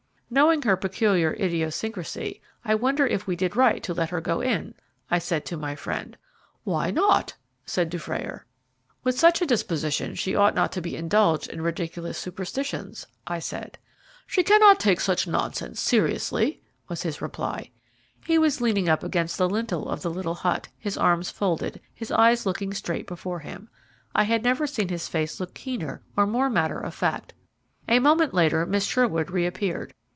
"Knowing her peculiar idiosyncrasy, I wonder if we did right to let her go in?" I said to my friend. "Why not?" said Dufrayer. "With such a disposition she ought not to be indulged in ridiculous superstitions," I said. "She cannot take such nonsense seriously," was his reply. He was leaning up against the lintel of the little hut, his arms folded, his eyes looking straight before him. I had never seen his face look keener or more matter of fact. A moment later Miss Sherwood re appeared.